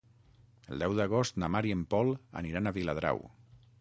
El deu d'agost na Mar i en Pol aniran a Viladrau.